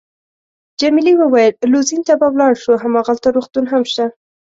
جميلې وويل:: لوزین ته به ولاړ شو، هماغلته روغتون هم شته.